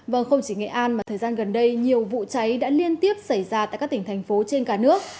vâng không chỉ nghệ an mà thời gian gần đây nhiều vụ cháy đã liên tiếp xảy ra tại các tỉnh thành phố trên cả nước